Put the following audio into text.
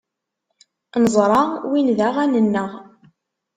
Neẓra win d aɣan-nneɣ.